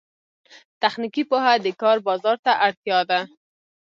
تخنیکي پوهه د کار بازار ته اړتیا ده